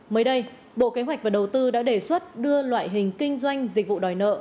mới đây bộ kế hoạch và đầu tư đã đề xuất đưa loại hình kinh doanh dịch vụ đòi nợ